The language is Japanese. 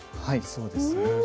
はいそうですね。